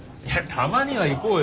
たまには行こうよ。